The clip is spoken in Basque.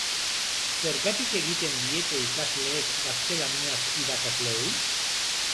Zergatik egiten diete ikasleek gaztelaniaz irakasleei?